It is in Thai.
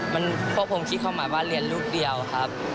เพราะผมคิดความหมายว่าเรียนลูกเดียวครับ